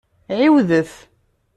Ɛiwdet!